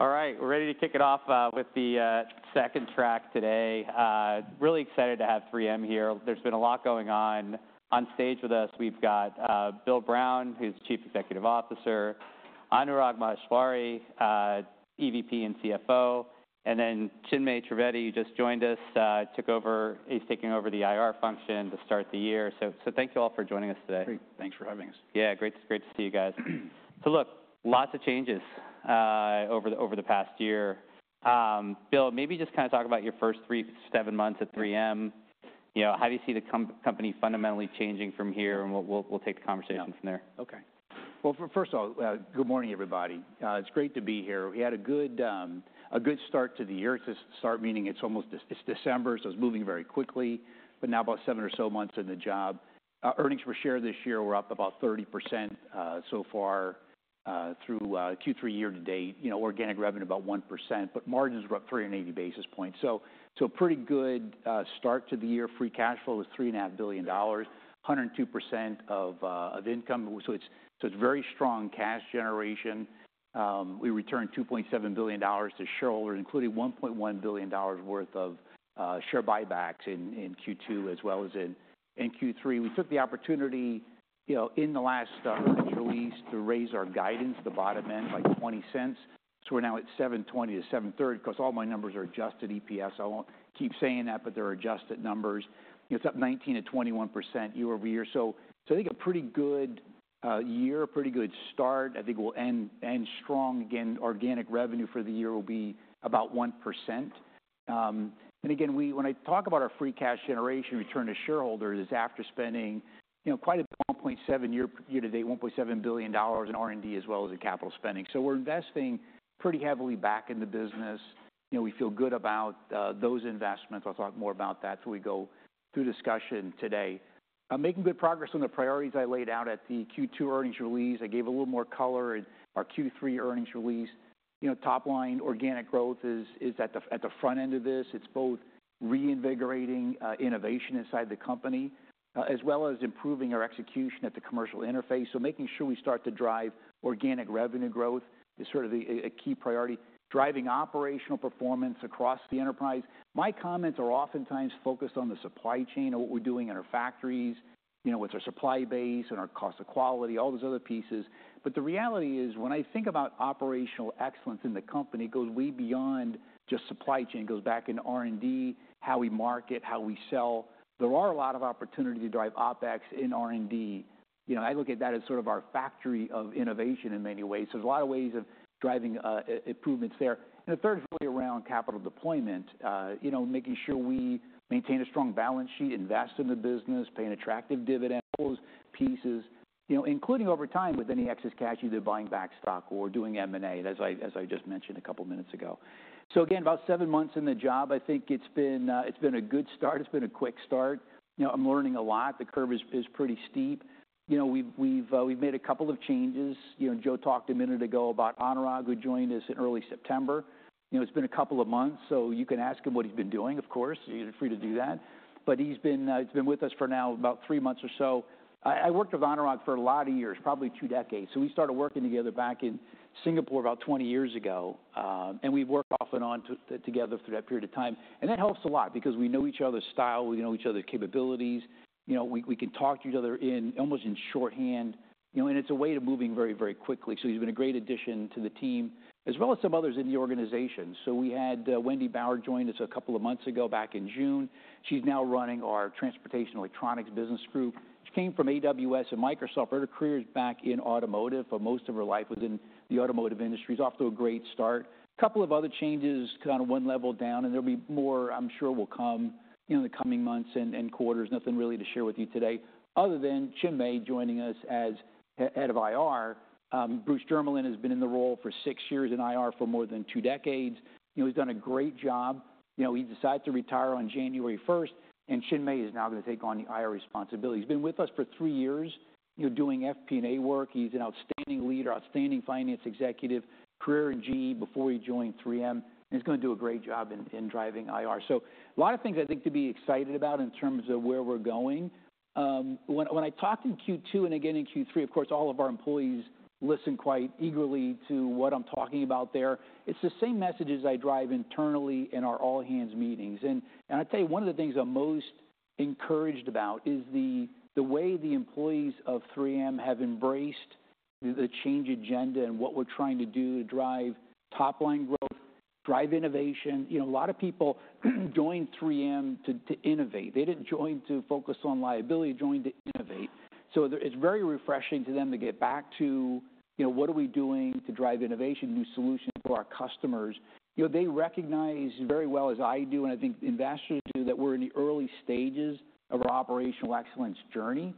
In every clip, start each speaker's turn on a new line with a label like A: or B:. A: All right, we're ready to kick it off with the second track today. Really excited to have 3M here. There's been a lot going on. On stage with us, we've got Bill Brown, who's Chief Executive Officer, Anurag Maheshwari, EVP and CFO, and then Chinmay Trivedi, who just joined us, took over. He's taking over the IR function to start the year. So thank you all for joining us today.
B: Great. Thanks for having us.
A: Yeah, great to see you guys. So look, lots of changes over the past year. Bill, maybe just kind of talk about your first three, seven months at 3M. How do you see the company fundamentally changing from here, and we'll take the conversation from there?
B: Well, first of all, good morning, everybody. It's great to be here. We had a good start to the year. It's a start, meaning it's almost December, so it's moving very quickly. But now about seven or so months in the job. Earnings per share this year were up about 30% so far through Q3 year to date. Organic revenue about 1%, but margins were up 380 basis points. So a pretty good start to the year. Free cash flow was $3.5 billion, 102% of income. So it's very strong cash generation. We returned $2.7 billion to shareholders, including $1.1 billion worth of share buybacks in Q2 as well as in Q3. We took the opportunity in the last earnings release to raise our guidance, the bottom end, by $0.20. So we're now at $7.20-$7.30. Of course, all my numbers are adjusted EPS. I won't keep saying that, but they're adjusted numbers. It's up 19%-21% yea- over-year. So I think a pretty good year, a pretty good start. I think we'll end strong. Again, organic revenue for the year will be about 1%. And again, when I talk about our free cash generation return to shareholders, it's after spending quite a bit, $1.7 billion year to date in R&D as well as in capital spending. So we're investing pretty heavily back in the business. We feel good about those investments. I'll talk more about that as we go through discussion today. I'm making good progress on the priorities I laid out at the Q2 earnings release. I gave a little more color in our Q3 earnings release. Top line organic growth is at the front end of this. It's both reinvigorating innovation inside the company as well as improving our execution at the commercial interface. So making sure we start to drive organic revenue growth is sort of a key priority, driving operational performance across the enterprise. My comments are oftentimes focused on the supply chain and what we're doing in our factories, what's our supply base and our cost of quality, all those other pieces. But the reality is, when I think about operational excellence in the company, it goes way beyond just supply chain. It goes back into R&D, how we market, how we sell. There are a lot of opportunities to drive OpEx in R&D. I look at that as sort of our factory of innovation in many ways. There's a lot of ways of driving improvements there. And the third is really around capital deployment, making sure we maintain a strong balance sheet, invest in the business, pay an attractive dividend, all those pieces, including over time with any excess cash either buying back stock or doing M&A, as I just mentioned a couple of minutes ago. So again, about seven months in the job, I think it's been a good start. It's been a quick start. I'm learning a lot. The curve is pretty steep. We've made a couple of changes. Joe talked a minute ago about Anurag, who joined us in early September. It's been a couple of months, so you can ask him what he's been doing, of course. You're free to do that. But he's been with us for now about three months or so. I worked with Anurag for a lot of years, probably two decades. We started working together back in Singapore about 20 years ago. We've worked off and on together through that period of time. That helps a lot because we know each other's style. We know each other's capabilities. We can talk to each other almost in shorthand. It's a way to move very, very quickly. He's been a great addition to the team, as well as some others in the organization. We had Wendy Bauer join us a couple of months ago back in June. She's now running our Transportation and Electronics Business Group. She came from AWS and Microsoft. Her career is back in automotive. Most of her life was in the automotive industry. It's off to a great start. A couple of other changes kind of one level down, and there'll be more, I'm sure, will come in the coming months and quarters. Nothing really to share with you today other than Chinmay joining us as head of IR. Bruce Jermeland has been in the role for six years in IR for more than two decades. He's done a great job. He decides to retire on January 1st, and Chinmay is now going to take on the IR responsibility. He's been with us for three years doing FP&A work. He's an outstanding leader, outstanding finance executive, career in GE before he joined 3M. And he's going to do a great job in driving IR. So a lot of things I think to be excited about in terms of where we're going. When I talked in Q2 and again in Q3, of course, all of our employees listen quite eagerly to what I'm talking about there. It's the same messages I drive internally in our all-hands meetings. I'll tell you, one of the things I'm most encouraged about is the way the employees of 3M have embraced the change agenda and what we're trying to do to drive top line growth, drive innovation. A lot of people joined 3M to innovate. They didn't join to focus on liability. They joined to innovate. It's very refreshing to them to get back to what are we doing to drive innovation, new solutions for our customers. They recognize very well, as I do, and I think investors do, that we're in the early stages of our operational excellence journey.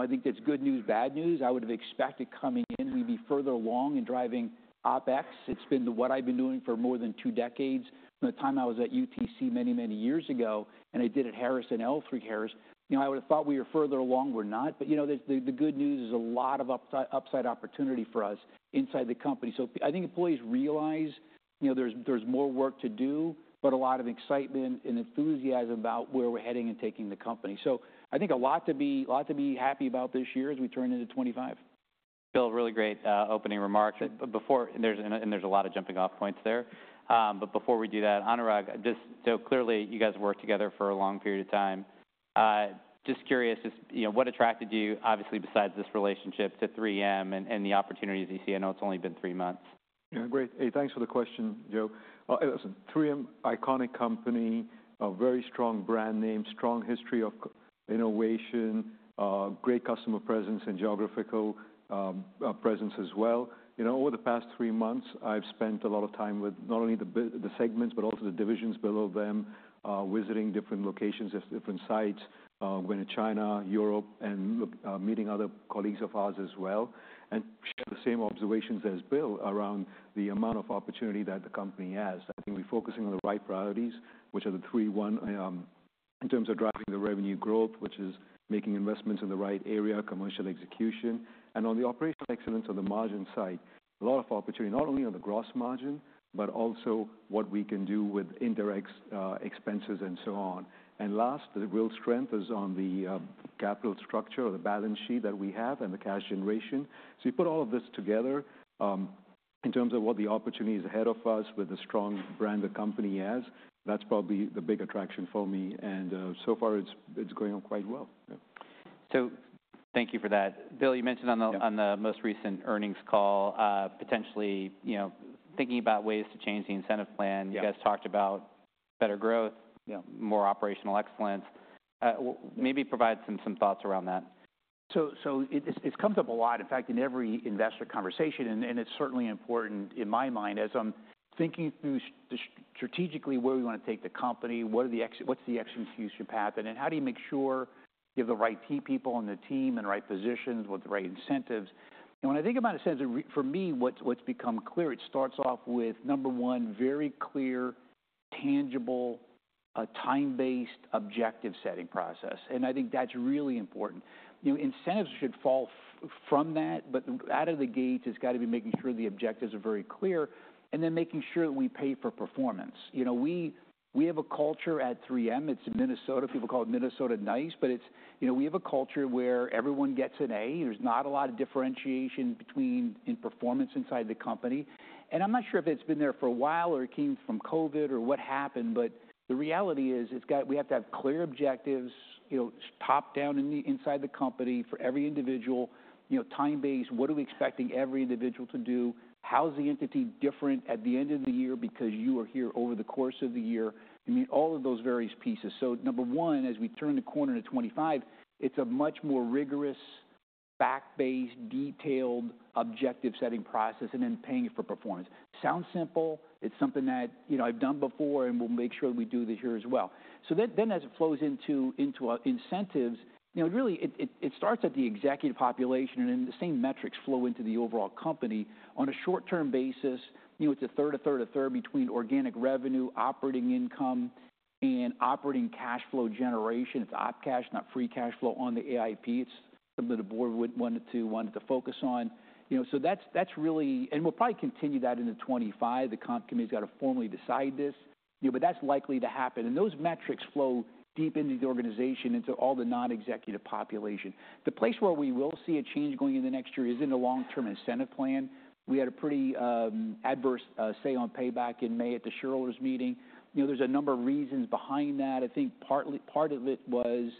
B: I think that's good news, bad news. I would have expected coming in, we'd be further along in driving OpEx. It's been what I've been doing for more than two decades. From the time I was at UTC many, many years ago, and I did at Harris and L3Harris, I would have thought we were further along. We're not. But the good news is a lot of upside opportunity for us inside the company. So I think employees realize there's more work to do, but a lot of excitement and enthusiasm about where we're heading and taking the company. So I think a lot to be happy about this year as we turn into 2025.
A: Bill, really great opening remarks. And there's a lot of jumping off points there. But before we do that, Anurag, just so clearly you guys have worked together for a long period of time. Just curious, what attracted you, obviously, besides this relationship to 3M and the opportunities you see? I know it's only been three months.
C: Yeah, great. Hey, thanks for the question, Joe. Listen, 3M, iconic company, very strong brand name, strong history of innovation, great customer presence and geographical presence as well. Over the past three months, I've spent a lot of time with not only the segments, but also the divisions below them, visiting different locations, different sites, going to China, Europe, and meeting other colleagues of ours as well, and shared the same observations as Bill around the amount of opportunity that the company has. I think we're focusing on the right priorities, which are the three, one, in terms of driving the revenue growth, which is making investments in the right area, commercial execution, and on the operational excellence on the margin side, a lot of opportunity, not only on the gross margin, but also what we can do with indirect expenses and so on. And last, the real strength is on the capital structure or the balance sheet that we have and the cash generation. So you put all of this together in terms of what the opportunities ahead of us with the strong brand the company has, that's probably the big attraction for me. And so far, it's going on quite well.
A: So thank you for that. Bill, you mentioned on the most recent earnings call, potentially thinking about ways to change the incentive plan. You guys talked about better growth, more operational excellence. Maybe provide some thoughts around that.
B: So it's come up a lot. In fact, in every investor conversation, and it's certainly important in my mind, as I'm thinking through strategically where we want to take the company, what's the execution path, and then how do you make sure you have the right people on the team in the right positions with the right incentives? And when I think about incentives, for me, what's become clear, it starts off with, number one, very clear, tangible, time-based objective setting process. And I think that's really important. Incentives should fall from that, but out of the gate, it's got to be making sure the objectives are very clear, and then making sure that we pay for performance. We have a culture at 3M. It's in Minnesota. People call it Minnesota Nice, but we have a culture where everyone gets an A. There's not a lot of differentiation in performance inside the company. And I'm not sure if it's been there for a while or it came from COVID or what happened, but the reality is we have to have clear objectives top down inside the company for every individual, time-based, what are we expecting every individual to do, how's the entity different at the end of the year because you are here over the course of the year. I mean, all of those various pieces. So number one, as we turn the corner to 2025, it's a much more rigorous, fact-based, detailed objective setting process, and then paying for performance. Sounds simple. It's something that I've done before and we'll make sure we do this here as well. So then as it flows into incentives, really, it starts at the executive population, and then the same metrics flow into the overall company. On a short-term basis, it's a third, a third, a third between organic revenue, operating income, and operating cash flow generation. It's op cash, not free cash flow on the AIP. It's something the board wanted to focus on. So that's really, and we'll probably continue that into 2025. The company's got to formally decide this, but that's likely to happen. And those metrics flow deep into the organization, into all the non-executive population. The place where we will see a change going in the next year is in the long-term incentive plan. We had a pretty adverse say on pay in May at the shareholders' meeting. There's a number of reasons behind that. I think part of it was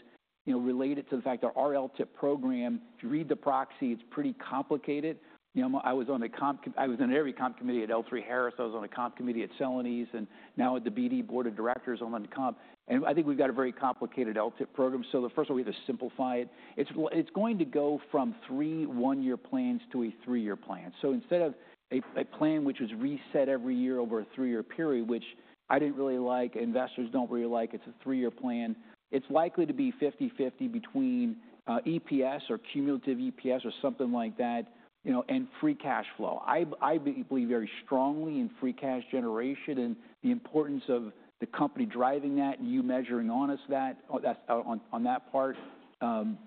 B: related to the fact that our LTIP program, if you read the proxy, it's pretty complicated. I was on the comp, I was on the area comp committee at L3Harris. I was on the comp committee at Celanese, and now at the BD Board of Directors on the comp, and I think we've got a very complicated LTIP program, so the first one, we have to simplify it. It's going to go from three one-year plans to a three-year plan. So instead of a plan which was reset every year over a three-year period, which I didn't really like, investors don't really like, it's a three-year plan, it's likely to be 50/50 between EPS or cumulative EPS or something like that and free cash flow. I believe very strongly in free cash generation and the importance of the company driving that and you measuring on us that on that part. And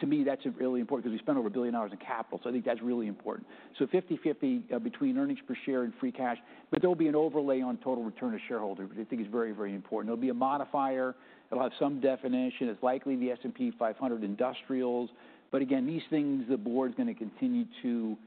B: to me, that's really important because we spend over $1 billion in capital. So I think that's really important. So 50/50 between earnings per share and free cash, but there'll be an overlay on total return to shareholders, which I think is very, very important. There'll be a modifier. It'll have some definition. It's likely the S&P 500 Industrials. But again, these things, the board's going to continue to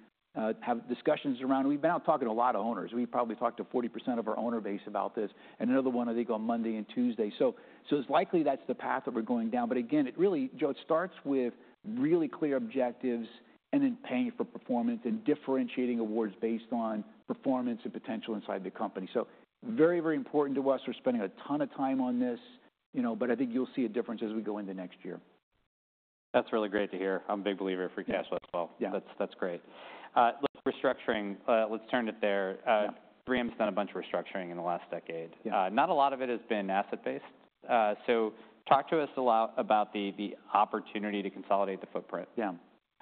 B: have discussions around. We've been out talking to a lot of owners. We probably talked to 40% of our owner base about this. And another one, I think, on Monday and Tuesday. So it's likely that's the path that we're going down. But again, it really, Joe, it starts with really clear objectives and then paying for performance and differentiating awards based on performance and potential inside the company. So very, very important to us. We're spending a ton of time on this, but I think you'll see a difference as we go into next year.
A: That's really great to hear. I'm a big believer in free cash flow as well. That's great. Look, restructuring, let's turn it there. 3M's done a bunch of restructuring in the last decade. Not a lot of it has been asset-based. So talk to us a lot about the opportunity to consolidate the footprint.
B: Yeah.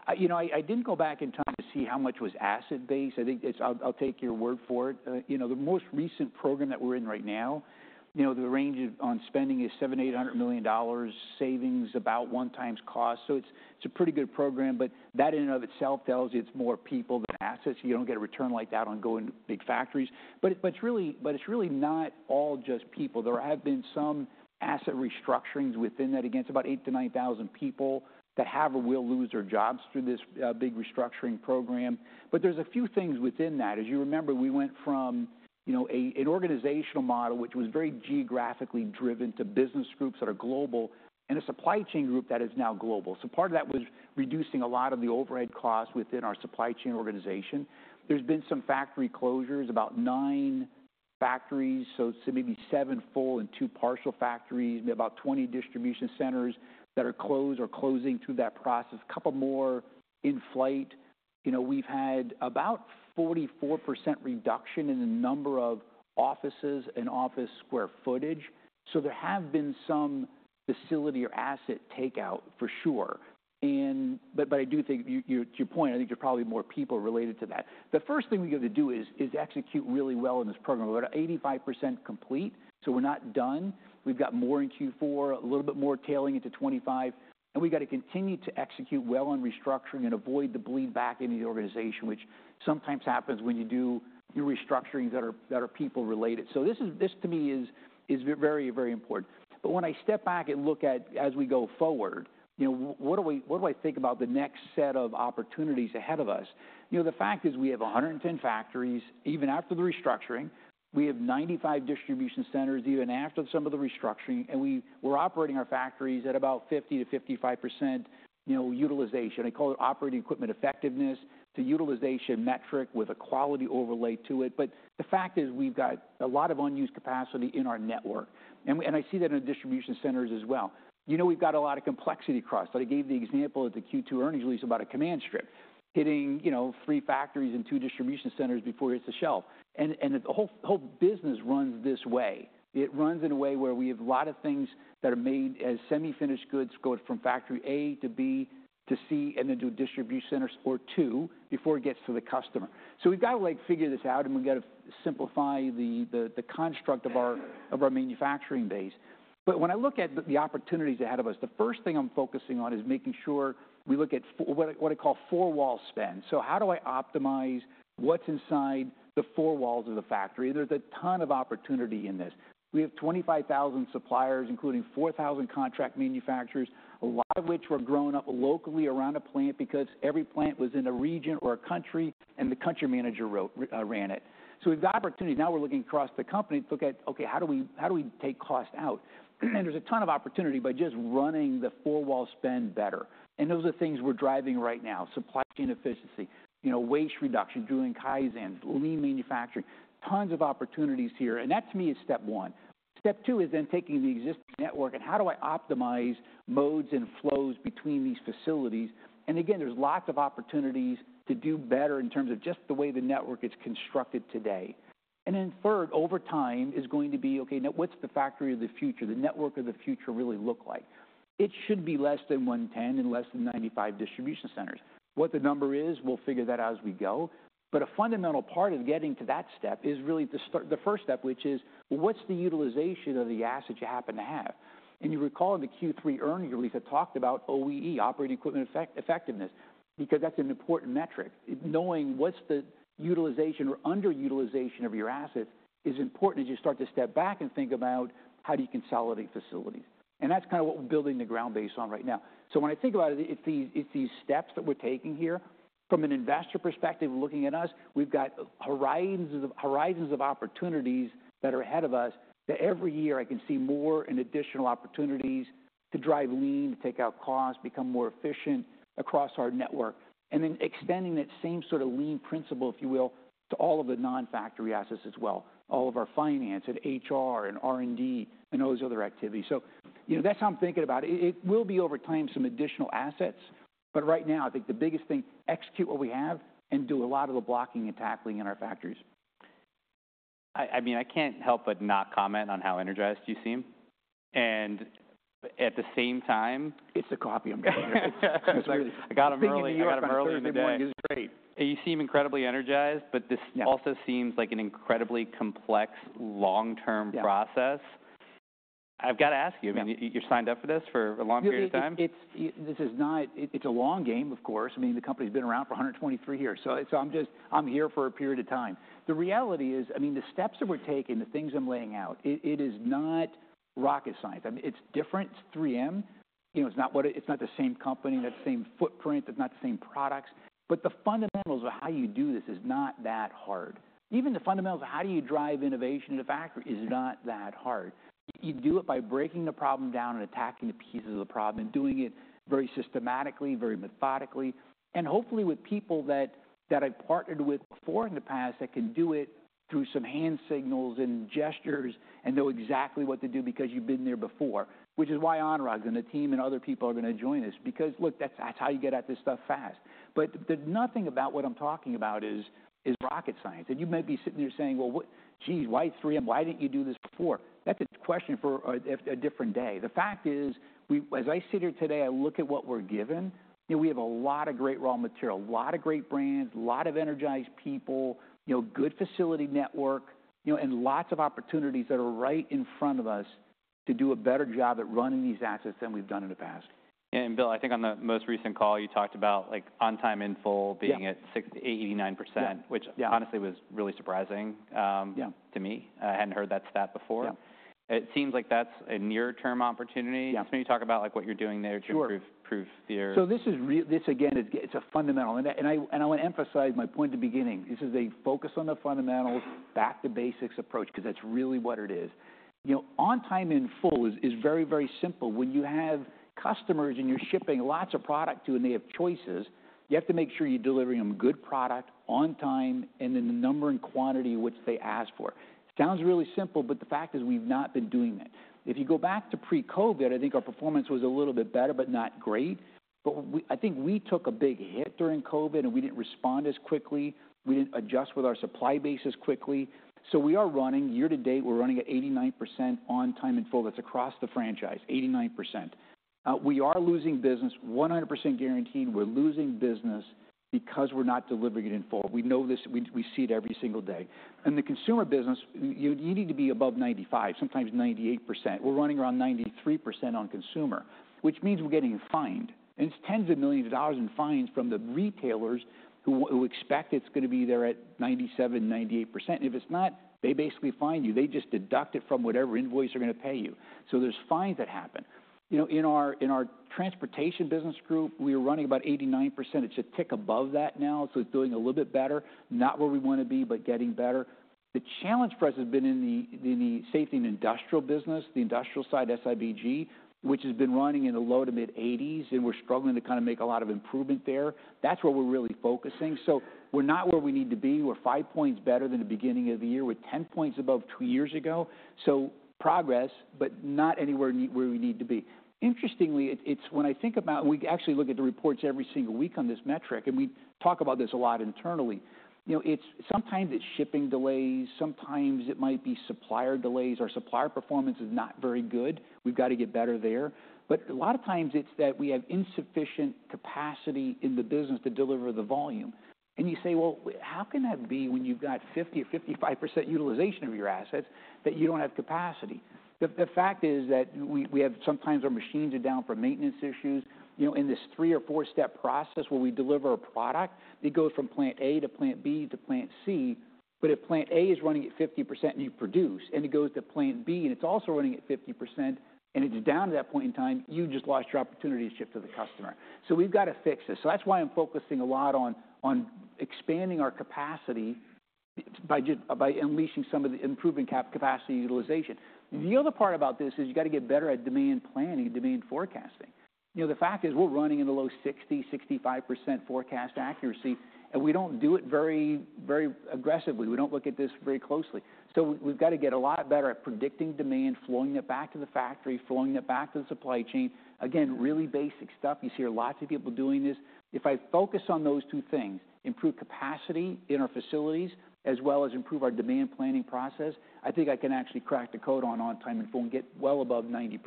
B: I didn't go back in time to see how much was asset-based. I think I'll take your word for it. The most recent program that we're in right now, the range on spending is $700 million-$800 million savings, about one times cost. So it's a pretty good program, but that in and of itself tells you it's more people than assets. You don't get a return like that on going to big factories. But it's really not all just people. There have been some asset restructurings within that against about 8,000-9,000 people that have or will lose their jobs through this big restructuring program. But there's a few things within that. As you remember, we went from an organizational model, which was very geographically driven to business groups that are global, and a supply chain group that is now global. So part of that was reducing a lot of the overhead costs within our supply chain organization. There's been some factory closures, about nine factories, so maybe seven full and two partial factories, about 20 distribution centers that are closed or closing through that process, a couple more in flight. We've had about 44% reduction in the number of offices and office square footage. So there have been some facility or asset takeout for sure. But I do think, to your point, I think there's probably more people related to that. The first thing we have to do is execute really well in this program. We're about 85% complete, so we're not done. We've got more in Q4, a little bit more tailing into 2025. We’ve got to continue to execute well on restructuring and avoid the bleed back into the organization, which sometimes happens when you do restructurings that are people related. So this, to me, is very, very important. But when I step back and look at, as we go forward, what do I think about the next set of opportunities ahead of us? The fact is we have 110 factories even after the restructuring. We have 95 distribution centers even after some of the restructuring. And we’re operating our factories at about 50%-55% utilization. I call it operating equipment effectiveness to utilization metric with a quality overlay to it. But the fact is we’ve got a lot of unused capacity in our network. And I see that in distribution centers as well. We’ve got a lot of complexity across. I gave the example of the Q2 earnings release about a Command strip hitting three factories and two distribution centers before it hits the shelf, and the whole business runs this way. It runs in a way where we have a lot of things that are made as semi-finished goods going from factory A to B to C, and then to a distribution center or two before it gets to the customer, so we've got to figure this out, and we've got to simplify the construct of our manufacturing base, but when I look at the opportunities ahead of us, the first thing I'm focusing on is making sure we look at what I call four-wall spend. So how do I optimize what's inside the four walls of the factory, and there's a ton of opportunity in this. We have 25,000 suppliers, including 4,000 contract manufacturers, a lot of which were grown up locally around a plant because every plant was in a region or a country, and the country manager ran it. So we've got opportunities. Now we're looking across the company to look at, okay, how do we take cost out? And there's a ton of opportunity by just running the four-wall spend better. And those are things we're driving right now: supply chain efficiency, waste reduction, drilling Kaizen, lean manufacturing, tons of opportunities here. And that, to me, is step one. Step two is then taking the existing network and how do I optimize modes and flows between these facilities? And again, there's lots of opportunities to do better in terms of just the way the network is constructed today. And then, third, over time is going to be, okay, now what's the factory of the future? The network of the future really look like? It should be less than 110 and less than 95 distribution centers. What the number is, we'll figure that out as we go. But a fundamental part of getting to that step is really the first step, which is, well, what's the utilization of the assets you happen to have? And you recall in the Q3 earnings release, I talked about OEE, Operating Equipment Effectiveness, because that's an important metric. Knowing what's the utilization or underutilization of your assets is important as you start to step back and think about how do you consolidate facilities. And that's kind of what we're building the ground base on right now. So when I think about it, it's these steps that we're taking here. From an investor perspective, looking at us, we've got horizons of opportunities that are ahead of us that every year I can see more and additional opportunities to drive lean, take out costs, become more efficient across our network, and then extending that same sort of lean principle, if you will, to all of the non-factory assets as well, all of our finance and HR and R&D and those other activities. So that's how I'm thinking about it. It will be over time some additional assets, but right now, I think the biggest thing, execute what we have and do a lot of the blocking and tackling in our factories.
A: I mean, I can't help but not comment on how energized you seem. And at the same time.
B: It's a copy of me. I got him earlier today.
A: Thank you. You seem incredibly energized, but this also seems like an incredibly complex long-term process. I've got to ask you, I mean, you're signed up for this for a long period of time?
B: This is not. It's a long game, of course. I mean, the company's been around for 123 years. So I'm here for a period of time. The reality is, I mean, the steps that we're taking, the things I'm laying out, it is not rocket science. I mean, it's different. It's 3M. It's not the same company, not the same footprint, not the same products. But the fundamentals of how you do this is not that hard. Even the fundamentals of how do you drive innovation in a factory is not that hard. You do it by breaking the problem down and attacking the pieces of the problem and doing it very systematically, very methodically, and hopefully with people that I've partnered with before in the past that can do it through some hand signals and gestures and know exactly what to do because you've been there before, which is why Anurag and the team and other people are going to join us because, look, that's how you get at this stuff fast. But nothing about what I'm talking about is rocket science. And you might be sitting there saying, "Well, geez, why 3M? Why didn't you do this before?" That's a question for a different day. The fact is, as I sit here today, I look at what we're given. We have a lot of great raw material, a lot of great brands, a lot of energized people, good facility network, and lots of opportunities that are right in front of us to do a better job at running these assets than we've done in the past.
A: Bill, I think on the most recent call, you talked about on-time in-full being at 89%, which honestly was really surprising to me. I hadn't heard that stat before. It seems like that's a near-term opportunity. Can you talk about what you're doing there to prove theoretical?
B: So this is, again, it's a fundamental. And I want to emphasize my point at the beginning. This is a focus on the fundamentals, back to basics approach, because that's really what it is. On-time in-full is very, very simple. When you have customers and you're shipping lots of product to, and they have choices, you have to make sure you're delivering them good product on time and in the number and quantity which they ask for. Sounds really simple, but the fact is we've not been doing that. If you go back to pre-COVID, I think our performance was a little bit better, but not great. But I think we took a big hit during COVID, and we didn't respond as quickly. We didn't adjust with our supply bases quickly. So we are running year to date, we're running at 89% on-time in-full. That's across the franchise, 89%. We are losing business, 100% guaranteed. We're losing business because we're not delivering it in full. We know this. We see it every single day, and the consumer business, you need to be above 95%, sometimes 98%. We're running around 93% on consumer, which means we're getting fined, and it's tens of millions of dollars in fines from the retailers who expect it's going to be there at 97%, 98%, and if it's not, they basically fine you. They just deduct it from whatever invoice they're going to pay you, so there's fines that happen. In our transportation business group, we are running about 89%. It's a tick above that now. So it's doing a little bit better, not where we want to be, but getting better. The challenge for us has been in the Safety and Industrial business, the industrial side, SIBG, which has been running in the low to mid-80s, and we're struggling to kind of make a lot of improvement there. That's where we're really focusing. So we're not where we need to be. We're five points better than the beginning of the year. We're 10 points above two years ago. So progress, but not anywhere where we need to be. Interestingly, when I think about, we actually look at the reports every single week on this metric, and we talk about this a lot internally. Sometimes it's shipping delays. Sometimes it might be supplier delays. Our supplier performance is not very good. We've got to get better there. But a lot of times it's that we have insufficient capacity in the business to deliver the volume. You say, "Well, how can that be when you've got 50% or 55% utilization of your assets that you don't have capacity?" The fact is that sometimes our machines are down for maintenance issues. In this three- or four-step process where we deliver a product, it goes from plant A to plant B to plant C. If plant A is running at 50% and you produce, and it goes to plant B and it's also running at 50% and it's down to that point in time, you just lost your opportunity to ship to the customer. We've got to fix this. That's why I'm focusing a lot on expanding our capacity by unleashing some of the improving capacity utilization. The other part about this is you got to get better at demand planning and demand forecasting. The fact is we're running in the low 60%-65% forecast accuracy, and we don't do it very aggressively. We don't look at this very closely. So we've got to get a lot better at predicting demand, flowing it back to the factory, flowing it back to the supply chain. Again, really basic stuff. You see lots of people doing this. If I focus on those two things, improve capacity in our facilities, as well as improve our demand planning process, I think I can actually crack the code on on-time in-full and get well above 90%.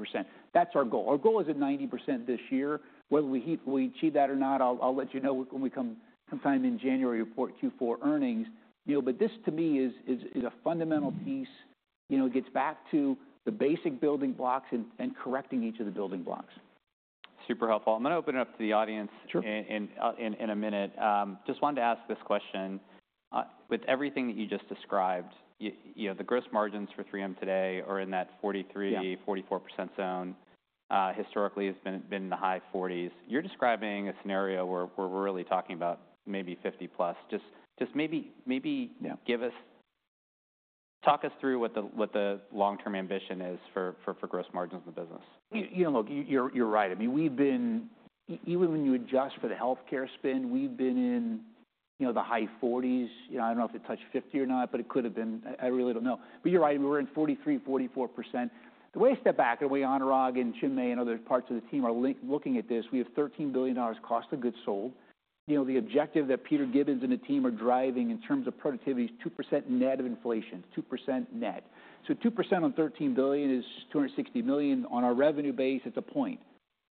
B: That's our goal. Our goal is at 90% this year. Whether we achieve that or not, I'll let you know when the time comes in January to report Q4 earnings. But this, to me, is a fundamental piece. It gets back to the basic building blocks and correcting each of the building blocks.
A: Super helpful. I'm going to open it up to the audience in a minute. Just wanted to ask this question. With everything that you just described, the gross margins for 3M today are in that 43%, 44% zone. Historically, it's been in the high 40s. You're describing a scenario where we're really talking about maybe 50-plus. Just maybe talk us through what the long-term ambition is for gross margins in the business.
B: You know, look, you're right. I mean, even when you adjust for the healthcare spend, we've been in the high 40s. I don't know if it touched 50 or not, but it could have been. I really don't know. But you're right. We're in 43%, 44%. The way I step back and the way Anurag and Chinmay and other parts of the team are looking at this, we have $13 billion cost of goods sold. The objective that Peter Gibbons and the team are driving in terms of productivity is 2% net of inflation, 2% net. So 2% on 13 billion is $260 million. On our revenue base, it's a point.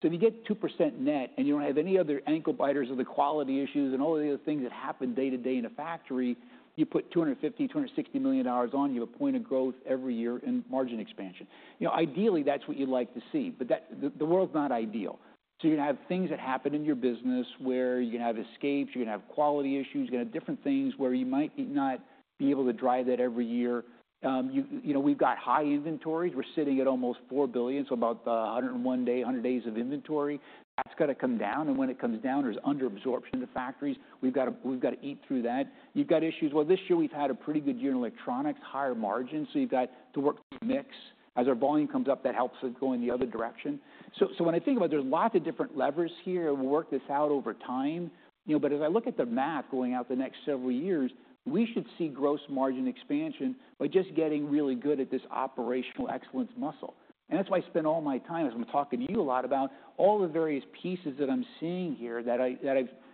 B: So if you get 2% net and you don't have any other ankle biters of the quality issues and all of the other things that happen day-to-day in a factory, you put $250-$260 million on. You have a point of growth every year and margin expansion. Ideally, that's what you'd like to see. But the world's not ideal. So you're going to have things that happen in your business where you're going to have escapes. You're going to have quality issues. You're going to have different things where you might not be able to drive that every year. We've got high inventories. We're sitting at almost $4 billion, so about 101 days, 100 days of inventory. That's got to come down. And when it comes down, there's underabsorption in the factories. We've got to eat through that. You've got issues. This year we've had a pretty good year in electronics, higher margins, so you've got to work the mix. As our volume comes up, that helps us go in the other direction, so when I think about it, there's lots of different levers here. We'll work this out over time, but as I look at the math going out the next several years, we should see gross margin expansion by just getting really good at this operational excellence muscle, and that's why I spend all my time, as I'm talking to you a lot about, all the various pieces that I'm seeing here that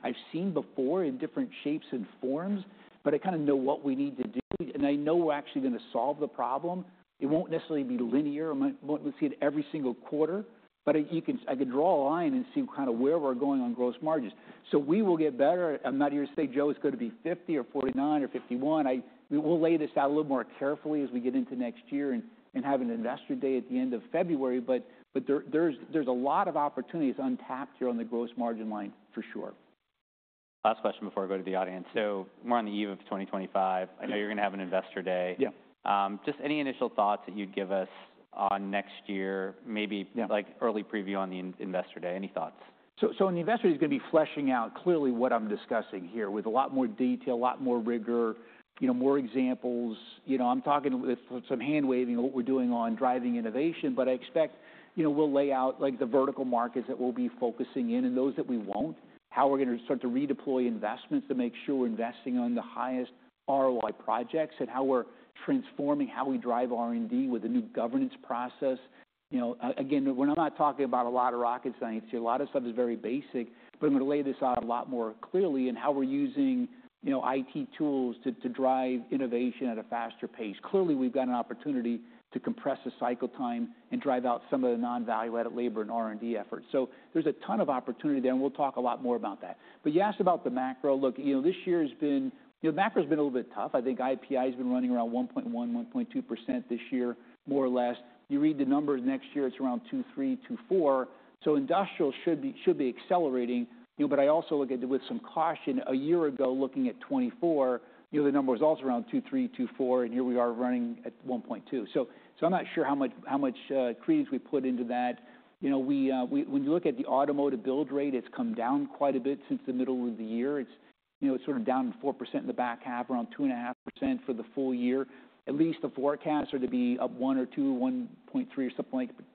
B: I've seen before in different shapes and forms, but I kind of know what we need to do, and I know we're actually going to solve the problem. It won't necessarily be linear. We'll see it every single quarter. I can draw a line and see kind of where we're going on gross margins. So we will get better. I'm not here to say Joe is going to be 50 or 49 or 51. We'll lay this out a little more carefully as we get into next year and have an investor day at the end of February. But there's a lot of opportunities untapped here on the gross margin line for sure.
A: Last question before I go to the audience. So we're on the eve of 2025. I know you're going to have an investor day. Just any initial thoughts that you'd give us on next year, maybe early preview on the investor day? Any thoughts?
B: So the investor day is going to be fleshing out clearly what I'm discussing here with a lot more detail, a lot more rigor, more examples. I'm talking with some hand waving of what we're doing on driving innovation, but I expect we'll lay out the vertical markets that we'll be focusing in and those that we won't, how we're going to start to redeploy investments to make sure we're investing on the highest ROI projects and how we're transforming how we drive R&D with a new governance process. Again, when I'm not talking about a lot of rocket science here, a lot of stuff is very basic, but I'm going to lay this out a lot more clearly and how we're using IT tools to drive innovation at a faster pace. Clearly, we've got an opportunity to compress the cycle time and drive out some of the non-value-added labor and R&D efforts. So there's a ton of opportunity there, and we'll talk a lot more about that. But you asked about the macro. Look, this year has been, the macro has been a little bit tough. I think IPI has been running around 1.1%-1.2% this year, more or less. You read the numbers next year, it's around 2.3%-2.4%. So industrial should be accelerating. But I also look at it with some caution. A year ago, looking at 2024, the number was also around 2.3%-2.4%, and here we are running at 1.2%. So I'm not sure how much credence we put into that. When you look at the automotive build rate, it's come down quite a bit since the middle of the year. It's sort of down 4% in the back half, around 2.5% for the full year. At least the forecasts are to be up 1% or 2%, 1.3%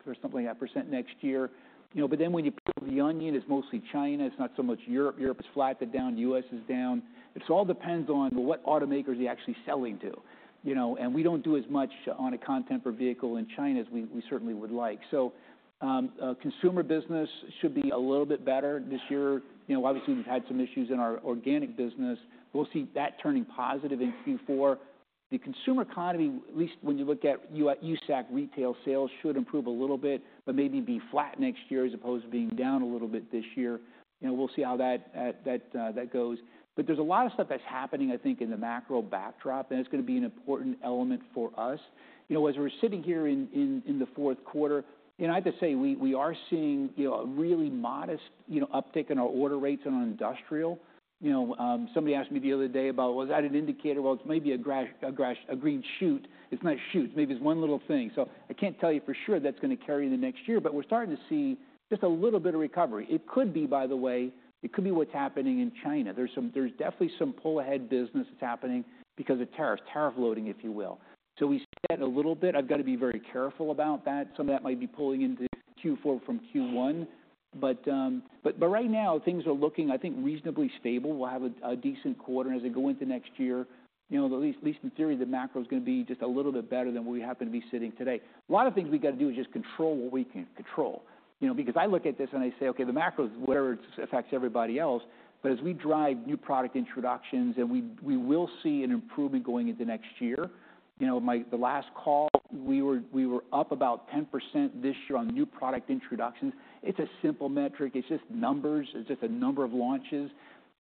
B: or something like that % next year. But then when you peel the onion, it's mostly China. It's not so much Europe. Europe is flat, but down, the U.S. is down. It all depends on what automakers are you actually selling to. And we don't do as much on a contemporary vehicle in China as we certainly would like. So consumer business should be a little bit better this year. Obviously, we've had some issues in our organic business. We'll see that turning positive in Q4. The consumer economy, at least when you look at U.S. retail sales, should improve a little bit, but maybe be flat next year as opposed to being down a little bit this year. We'll see how that goes. But there's a lot of stuff that's happening, I think, in the macro backdrop, and it's going to be an important element for us. As we're sitting here in the fourth quarter, I have to say we are seeing a really modest uptick in our order rates on industrial. Somebody asked me the other day about, "Well, is that an indicator?" Well, it's maybe a green shoot. It's not a shoot. Maybe it's one little thing. So I can't tell you for sure that's going to carry in the next year, but we're starting to see just a little bit of recovery. It could be, by the way, it could be what's happening in China. There's definitely some pull ahead business that's happening because of tariffs, tariff loading, if you will. So we see that a little bit. I've got to be very careful about that. Some of that might be pulling into Q4 from Q1. But right now, things are looking, I think, reasonably stable. We'll have a decent quarter as we go into next year. At least in theory, the macro is going to be just a little bit better than where we happen to be sitting today. A lot of things we've got to do is just control what we can control. Because I look at this and I say, "Okay, the macro, whatever it affects everybody else." But as we drive new product introductions, and we will see an improvement going into next year. The last call, we were up about 10% this year on new product introductions. It's a simple metric. It's just numbers. It's just a number of launches.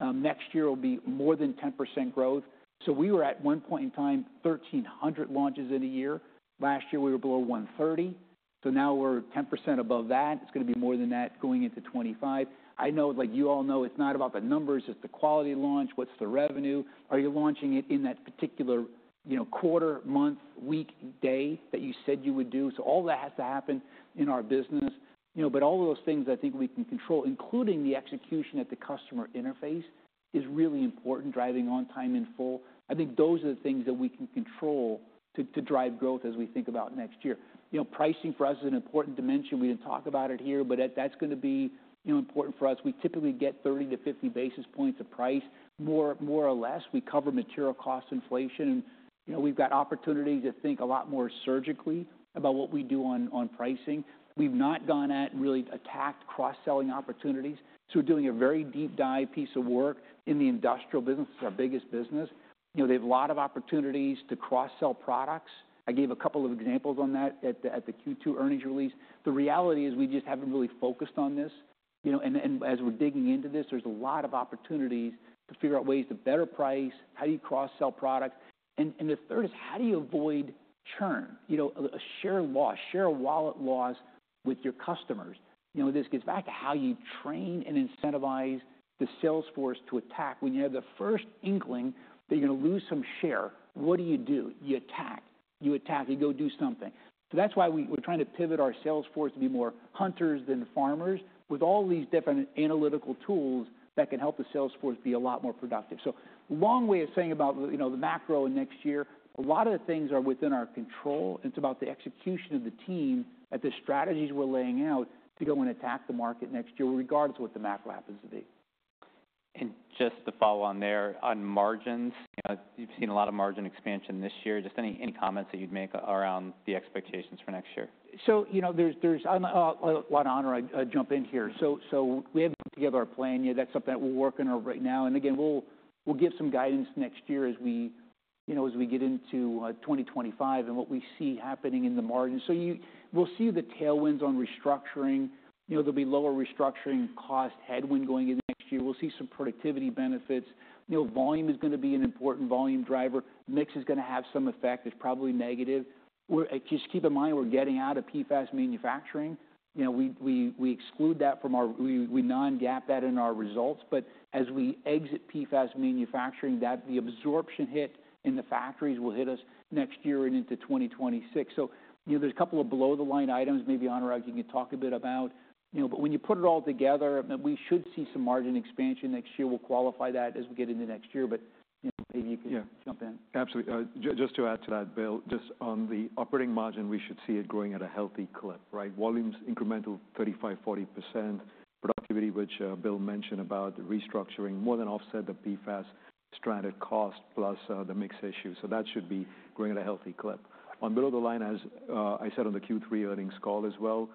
B: Next year will be more than 10% growth. So we were at one point in time, 1,300 launches in a year. Last year, we were below 130. So now we're 10% above that. It's going to be more than that going into 2025. I know, like you all know, it's not about the numbers. It's the quality launch. What's the revenue? Are you launching it in that particular quarter, month, week, day that you said you would do? So all that has to happen in our business. But all of those things I think we can control, including the execution at the customer interface, is really important, driving on-time in-full. I think those are the things that we can control to drive growth as we think about next year. Pricing for us is an important dimension. We didn't talk about it here, but that's going to be important for us. We typically get 30-50 basis points of price, more or less. We cover material cost inflation. And we've got opportunities to think a lot more surgically about what we do on pricing. We've not gone at really attacked cross-selling opportunities. So we're doing a very deep dive piece of work in the industrial business. It's our biggest business. They have a lot of opportunities to cross-sell products. I gave a couple of examples on that at the Q2 earnings release. The reality is we just haven't really focused on this. And as we're digging into this, there's a lot of opportunities to figure out ways to better price, how do you cross-sell products. And the third is how do you avoid churn, a share loss, share wallet loss with your customers? This gets back to how you train and incentivize the salesforce to attack. When you have the first inkling that you're going to lose some share, what do you do? You attack. You attack. You go do something. So that's why we're trying to pivot our salesforce to be more hunters than farmers, with all these different analytical tools that can help the salesforce be a lot more productive. So long way of saying about the macro in next year, a lot of the things are within our control. It's about the execution of the team at the strategies we're laying out to go and attack the market next year, regardless of what the macro happens to be.
A: Just to follow on there, on margins, you've seen a lot of margin expansion this year. Just any comments that you'd make around the expectations for next year?
B: So there's a lot on the horizon. I'll jump in here. So we haven't put together our plan yet. That's something that we're working on right now. And again, we'll give some guidance next year as we get into 2025 and what we see happening in the margins. So we'll see the tailwinds on restructuring. There'll be lower restructuring cost headwind going into next year. We'll see some productivity benefits. Volume is going to be an important volume driver. Mix is going to have some effect. It's probably negative. Just keep in mind we're getting out of PFAS manufacturing. We exclude that from our. We non-GAAP that in our results. But as we exit PFAS manufacturing, the absorption hit in the factories will hit us next year and into 2026. So there's a couple of below-the-line items. Maybe Anurag, you can talk a bit about. But when you put it all together, we should see some margin expansion next year. We'll qualify that as we get into next year. But maybe you can jump in.
C: Absolutely. Just to add to that, Bill, just on the operating margin, we should see it growing at a healthy clip, right? Volumes incremental 35%, 40% productivity, which Bill mentioned about restructuring more than offset the PFAS stranded cost plus the mix issue. So that should be growing at a healthy clip. On below the line, as I said on the Q3 earnings call as well,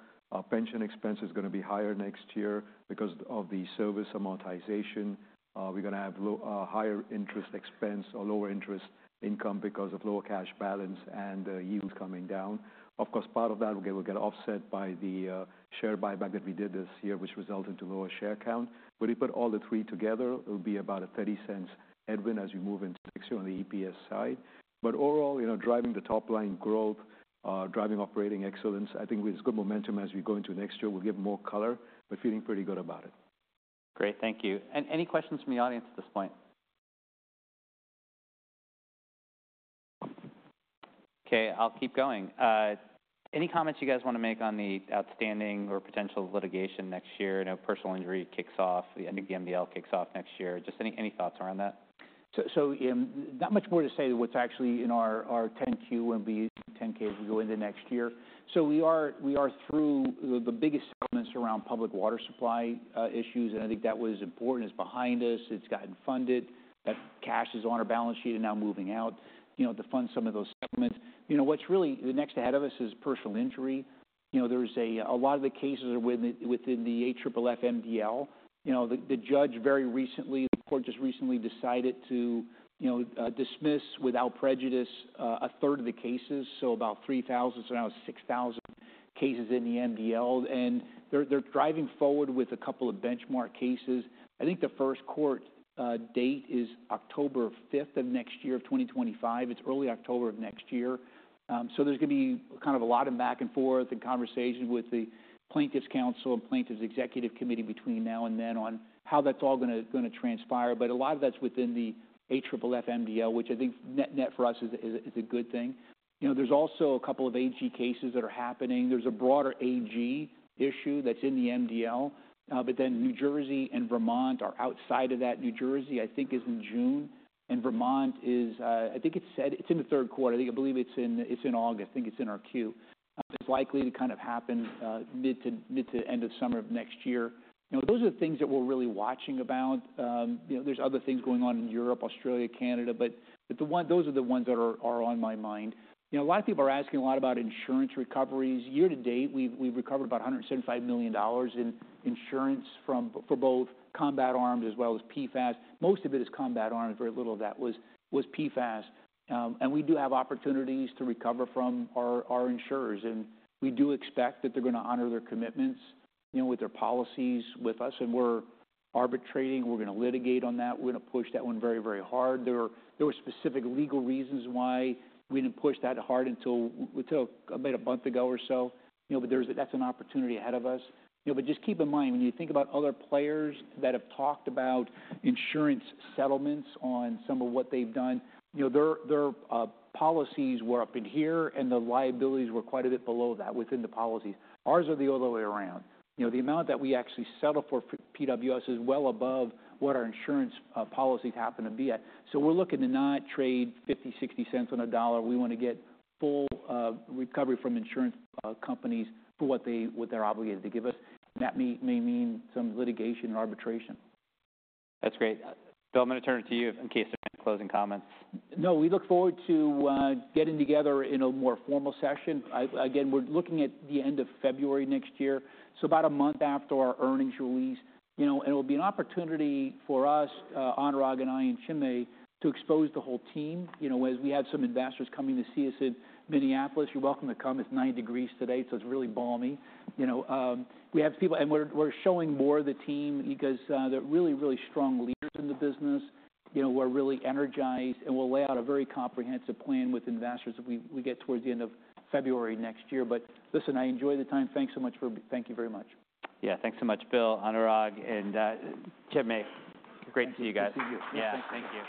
C: pension expense is going to be higher next year because of the service amortization. We're going to have higher interest expense, lower interest income because of lower cash balance and yields coming down. Of course, part of that will get offset by the share buyback that we did this year, which resulted in lower share count. But if you put all the three together, it'll be about a $0.30 headwind as we move into next year on the EPS side. But overall, driving the top-line growth, driving operating excellence, I think with good momentum as we go into next year, we'll give more color, but feeling pretty good about it.
A: Great. Thank you. And any questions from the audience at this point? Okay. I'll keep going. Any comments you guys want to make on the outstanding or potential litigation next year? Personal injury kicks off, I think the MDL kicks off next year. Just any thoughts around that?
B: So not much more to say than what's actually in our 10-Q and 10-K as we go into next year. So we are through the biggest settlements around public water supply issues. And I think that was important is behind us. It's gotten funded. That cash is on our balance sheet and now moving out to fund some of those settlements. What's really next ahead of us is personal injury. There's a lot of the cases are within the AFFF MDL. The judge very recently, the court just recently decided to dismiss without prejudice a third of the cases. So about 3,000, so now 6,000 cases in the MDL. And they're driving forward with a couple of benchmark cases. I think the first court date is October 5th of next year of 2025. It's early October of next year. So, there's going to be kind of a lot of back and forth and conversation with the plaintiff's counsel and plaintiff's executive committee between now and then on how that's all going to transpire. But a lot of that's within the AFFF MDL, which I think net for us is a good thing. There's also a couple of AG cases that are happening. There's a broader AG issue that's in the MDL. But then New Jersey and Vermont are outside of that. New Jersey, I think, is in June. And Vermont is, I think it's in the third quarter. I believe it's in August. I think it's in our queue. It's likely to kind of happen mid to end of summer of next year. Those are the things that we're really watching about. are other things going on in Europe, Australia, Canada, but those are the ones that are on my mind. A lot of people are asking a lot about insurance recoveries. Year to date, we've recovered about $175 million in insurance for both Combat Arms as well as PFAS. Most of it is Combat Arms. Very little of that was PFAS. We do have opportunities to recover from our insurers. We do expect that they're going to honor their commitments with their policies with us. We're arbitrating. We're going to litigate on that. We're going to push that one very, very hard. There were specific legal reasons why we didn't push that hard until about a month ago or so. That's an opportunity ahead of us. But just keep in mind, when you think about other players that have talked about insurance settlements on some of what they've done, their policies were up in here and the liabilities were quite a bit below that within the policies. Ours are the other way around. The amount that we actually settle for PWS is well above what our insurance policies happen to be at. So we're looking to not trade $0.50-$0.60 on a dollar. We want to get full recovery from insurance companies for what they're obligated to give us. And that may mean some litigation and arbitration.
A: That's great. Bill, I'm going to turn it to you in case of any closing comments.
B: No, we look forward to getting together in a more formal session. Again, we're looking at the end of February next year, so about a month after our earnings release, and it will be an opportunity for us, Anurag and I and Chinmay to expose the whole team. As we have some investors coming to see us in Minneapolis, you're welcome to come. It's 90 degrees Fahrenheit today, so it's really balmy. We have people, and we're showing more of the team because they're really, really strong leaders in the business. We're really energized, and we'll lay out a very comprehensive plan with investors if we get towards the end of February next year, but listen, I enjoy the time. Thanks so much. Thank you very much.
A: Yeah, thanks so much, Bill, Anurag, and Chinmay. Great to see you guys.
C: Great to see you.
A: Yeah.
C: Thank you.